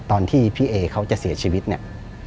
ตอนที่พี่เอเขาจะเสียชีวิตเนี่ย